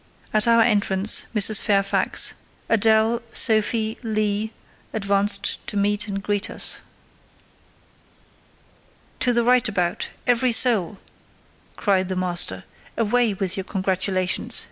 At our entrance, Mrs. Fairfax, Adèle, Sophie, Leah, advanced to meet and greet us. "To the right about—every soul!" cried the master; "away with your congratulations!